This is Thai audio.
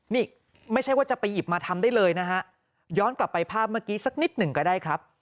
นี่ไม่ใช่ว่าจะไปหยิบมาทำได้เลยนะฮะย้อนกลับไปภาพเมื่อกี้สักนิดหนึ่งก็ได้ครับ